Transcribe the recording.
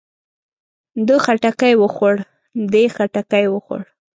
ده خټکی وخوړ. دې خټکی وخوړ.